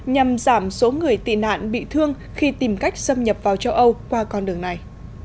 nhằm giảm số người tị nạn bị thương khi tìm cách xâm nhập vào châu âu qua con đường này